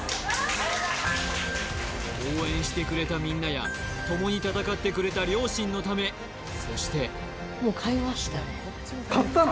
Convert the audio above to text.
ありがとうございます応援してくれたみんなや共に戦ってくれた両親のためそして買ったの！？